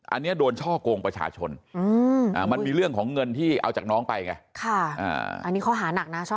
อันนี้โดนช่อกงประชาชนมันมีเรื่องของเงินที่เอาจากน้องไปไงอันนี้ข้อหานักนะ